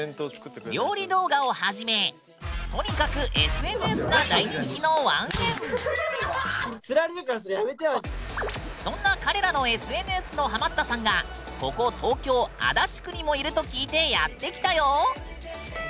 料理動画をはじめとにかくそんな彼らのＳＮＳのハマったさんがここ東京・足立区にもいると聞いてやって来たよ！